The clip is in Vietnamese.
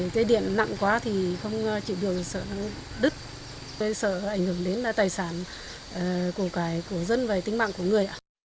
dây điện nặng quá thì không chịu được sợ đứt sợ ảnh hưởng đến tài sản của dân và tính mạng của người